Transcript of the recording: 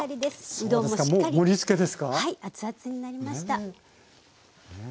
熱々になりました。